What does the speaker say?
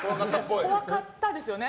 怖かったですよね。